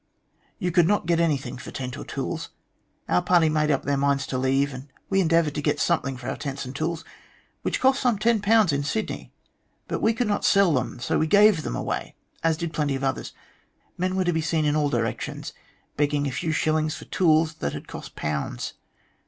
You could not get anything for tents or tools. Our party made up their minds to leave, and we endeavoured to get something for our tent& and tools, which cost some .10 in Sydney, but we could not sell them, so we gave them away, as did plenty of others. Men were to be seen in all directions begging a few shillings for tools that had cost pounds.